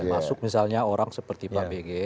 termasuk misalnya orang seperti pak bg